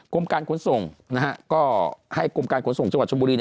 กรมการขนส่งก็ให้กรมการขนส่งจังหวัดชมบุรี